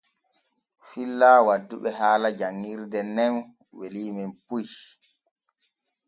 Filla wadduɓe haala janŋirde nen weliimen puy.